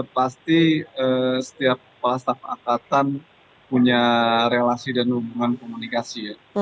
pasti setiap kepala staf angkatan punya relasi dan hubungan komunikasi ya